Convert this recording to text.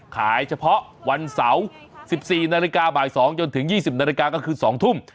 ขายเฉพาะวันเสาร์๑๔นาฬิกาบ่ายที่๒นาฬิกาจนถึง๒๐นาฬิกาก็คือส่องทุ่ม